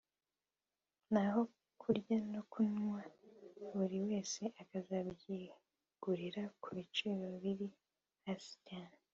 naho kurya no kunywa buri wese akazabyigurira ku biciro biri hasi cyane